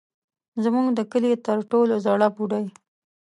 زموږ د کلي تر ټولو زړه بوډۍ.